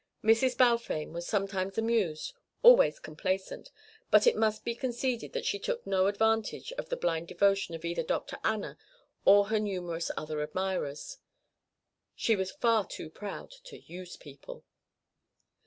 Mrs. Balfame was sometimes amused, always complacent; but it must be conceded that she took no advantage of the blind devotion of either Dr. Anna or her numerous other admirers. She was far too proud to "use" people.